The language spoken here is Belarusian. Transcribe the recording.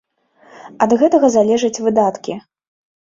Ад гэтага залежаць выдаткі.